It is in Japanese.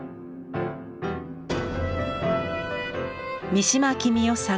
三島喜美代さん